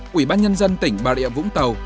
quỹ bán nhân dân tỉnh bà địa vũng tàu